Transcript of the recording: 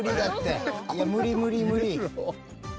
いや無理無理無理！